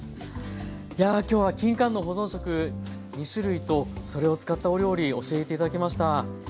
や今日はきんかんの保存食２種類とそれを使ったお料理教えて頂きました。